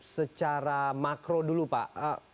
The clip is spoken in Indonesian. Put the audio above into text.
secara makro dulu pak